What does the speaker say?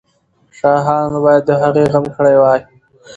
شاهانو باید د هغې غم کړی وای.